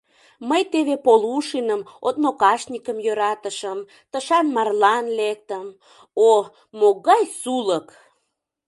Мый теве Полушиным, однокашникым йӧратышым, тышан марлан лектым — о, могай сулык!